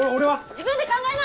自分で考えな！